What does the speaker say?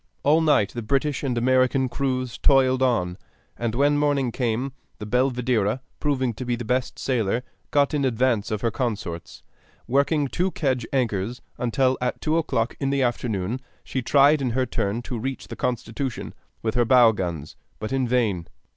All night the British and American crews toiled on, and when morning came the Belvidera, proving to be the best sailer, got in advance of her consorts, working two kedge anchors, until at two o'clock in the afternoon she tried in her turn to reach the Constitution with her bow guns, but in vain.